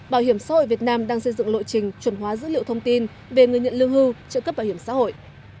bảo hiểm xã hội việt nam đang xây dựng lộ trình chuẩn hóa dữ liệu thông tin về người nhận lương hưu trợ cấp bảo hiểm xã hội